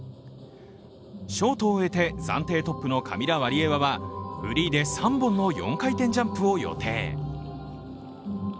ショートを終えて暫定トップのカミラ・ワリエワはフリーで３本の４回転ジャンプを予定。